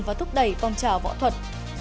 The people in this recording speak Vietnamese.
và thúc đẩy phong trào võ thuật